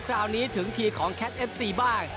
คราวนี้ถึงทีของแคทเอฟซีบ้าง